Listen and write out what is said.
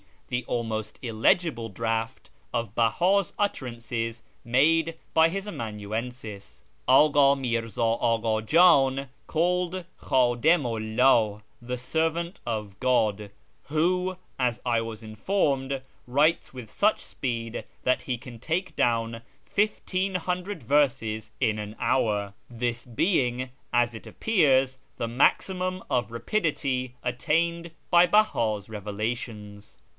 tlie almost illegible draft of Beha's utterances made bv his amanuensis, Akii Mi'rza Aka J;in, called Khddimu 'lldh (" the Servant of God"), who, as I was informed, writes with such speed that he can take down 1500 verses in an hour, this being, as it appears, the maximum of rapidity attained by Beha's revela tions.